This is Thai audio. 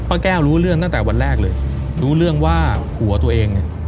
แก้วรู้เรื่องตั้งแต่วันแรกเลยรู้เรื่องว่าผัวตัวเองเนี่ย